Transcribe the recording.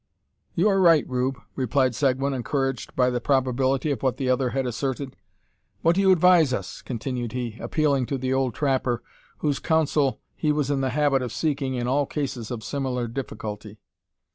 "You are right, Rube," replied Seguin, encouraged by the probability of what the other had asserted. "What do you advise us?" continued he, appealing to the old trapper, whose counsel he was in the habit of seeking in all cases of similar difficulty.